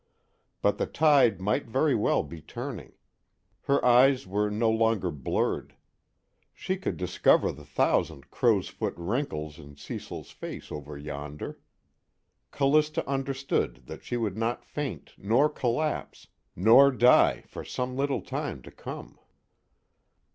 _ But the tide might very well be turning. Her eyes were no longer blurred. She could discover the thousand crow's foot wrinkles in Cecil's face over yonder. Callista understood that she would not faint, nor collapse, nor die for some little time to come.